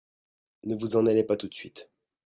ne vous en allez pas tout de suite.